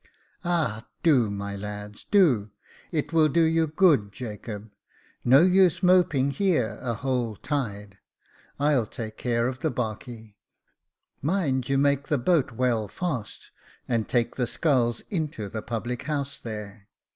" Ah ! do, my lads, do — it will do you good, Jacob ; no use moping here a whole tide. I'll take care of the 'barkey. Mind you make the boat well fast, and take the sculls into the public house there.